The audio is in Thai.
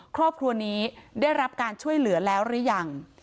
ครอบครัวนี้ได้รับการช่วยเหลือแล้วหรือยัง